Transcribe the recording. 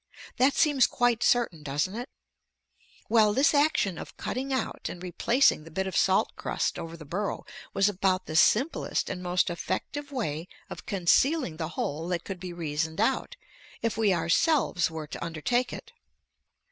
That seems quite certain, doesn't it? Well, this action of cutting out and replacing the bit of salt crust over the burrow was about the simplest and most effective way of concealing the hole that could be reasoned out, if we ourselves were to undertake it.